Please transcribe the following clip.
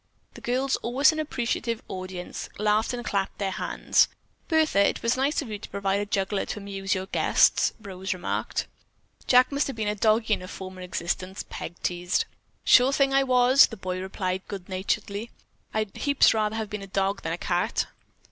The girls, always an appreciative audience, laughed and clapped their hands. "Bertha, it was nice of you to provide a juggler to amuse your guests," Rose remarked. "Jack must have been a doggie in a former existence," Peg teased. "Sure thing I was!" the boy replied good naturedly. "I'd heaps rather have been a dog than a cat."